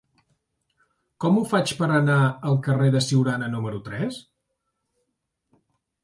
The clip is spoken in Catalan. Com ho faig per anar al carrer de Siurana número tres?